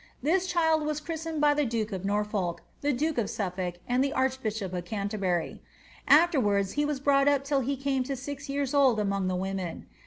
This child was chiistened by the duke of Norfolk, the duke of Snflblk, and the archbishop of Canterbury.' Afterwards he was brought up till he came to six years old among the women.